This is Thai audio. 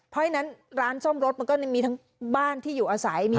เพราะฉะนั้นร้านซ่อมรถมันก็มีทั้งบ้านที่อยู่อาศัย